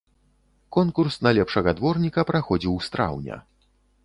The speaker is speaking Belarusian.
Конкурс на лепшага дворніка праходзіў з траўня.